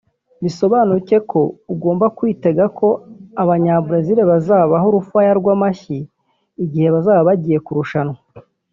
Bisobanute ko ugomba kwitega ko abanya Brezili bazabaha urufaya rw'amashyi igihe bazaba bagiye kurushanwa